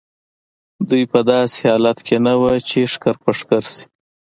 دوی په داسې حالت کې نه وو چې ښکر په ښکر شي.